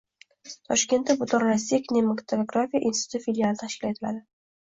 Toshkentda Butunrossiya kinematografiya instituti filiali tashkil etiladi